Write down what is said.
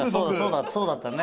そうだったのね。